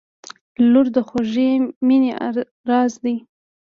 • لور د خوږې مینې راز دی.